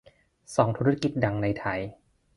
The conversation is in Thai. ส่องธุรกิจดังในไทย